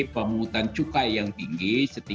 pemungutan cukai yang tinggi